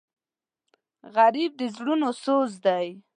غریب د زړونو سوز دی